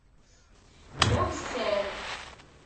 D awessar.